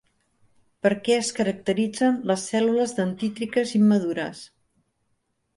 Per què es caracteritzen les cèl·lules dendrítiques immadures?